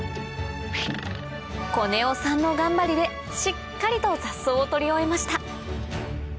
コネオさんの頑張りでしっかりと雑草を取り終えました